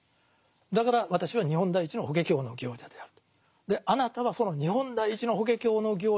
だから私は「日本第一の法華経の行者」であると。